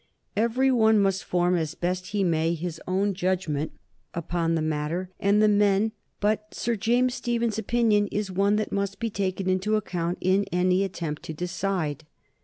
Every one must form as best he may his own judgment upon the matter and the men; but Sir James Stephen's opinion is one that must be taken into account in any attempt to decide.